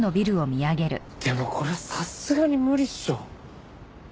でもこれさすがに無理っしょ。